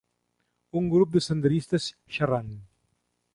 Un grup de senderistes xerrant